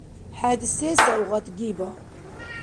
ХӀед се савгъат гиба?